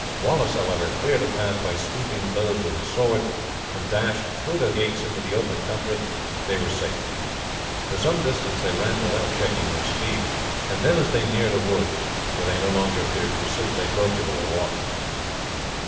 Wallace, however, cleared a path by sweeping blows with his sword, and dashing through the gates into the open country they were safe. For some distance they ran without checking their speed, and then as they neared a wood, where they no longer feared pursuit, they broke into a walk.